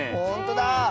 ほんとだ！